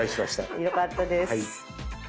よかったです。